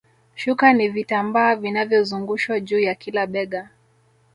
Shuka ni vitambaa vinavyozungushwa juu ya kila bega